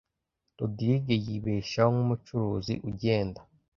Rogride yibeshaho nkumucuruzi ugenda.